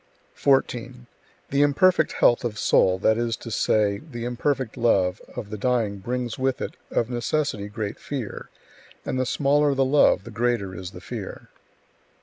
14. The imperfect health [of soul], that is to say, the imperfect love, of the dying brings with it, of necessity, great fear; and the smaller the love, the greater is the fear.